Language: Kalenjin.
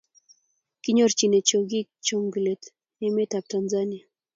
kinyorchine chokik chengulote emee nebo Tanzania